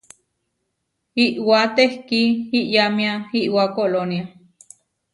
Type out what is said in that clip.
Iʼwá tehkí iyámia iʼwá Kolónia.